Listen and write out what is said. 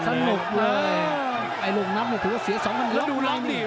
สนุกเลยไอลุงนับนี่คือเสีย๒มันล็อคมากเลย